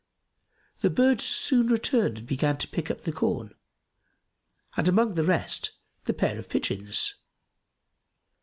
The birds soon returned and began to pick up the corn, and among the rest the pair of pigeons.